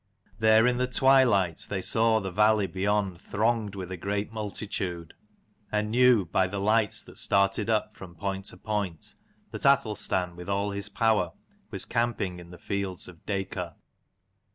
There in the twilight they saw the valley beyond thronged with a great multitude, and knew, by the lights that started up from point to point, that Athelstan with all his power was camping in the fields of Dacor.